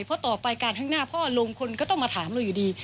เพราะต่อไปการทั้งหน้าเพราะอารมณ์คนก็ต้องมาถามเราอยู่ดี